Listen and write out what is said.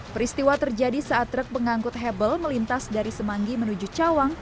peristiwa terjadi saat truk pengangkut hebel melintas dari semanggi menuju cawang